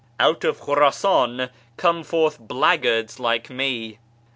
('Out of Kliurdsan come forth blackguards like me.')